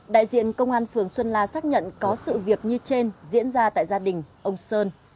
đại diện công an phường xuân la xác nhận có sự việc như trên diễn ra tại gia đình ông sơn